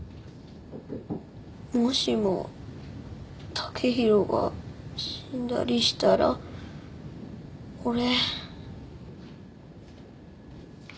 もしも剛洋が死んだりしたら俺。